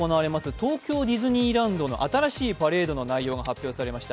東京ディズニーランドの新しいパレードの内容が発表されました。